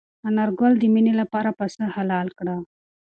انارګل د مېنې لپاره پسه حلال کړ.